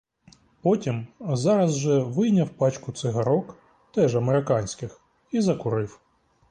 Потім зараз же вийняв пачку цигарок, теж американських, і закурив.